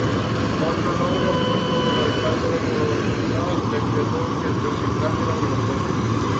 Otro logro fue cuando el alcalde de Bogotá decretó que el reciclaje era obligatorio.